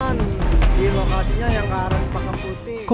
di lokalnya yang ke arah sepakang putih